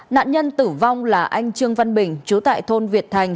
nạn nhân tử vong là anh trương văn bình chú tại thôn việt thành